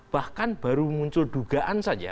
bahkan baru muncul dugaan saja